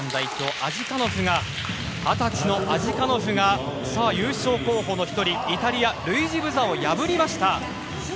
アジカノフが２０歳のアジカノフが優勝候補の１人イタリア、ルイジ・ブザを破りました。